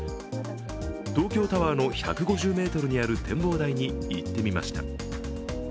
東京タワーの１５０ｍにある展望台に行ってみました。